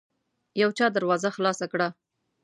يو چا دروازه خلاصه کړه.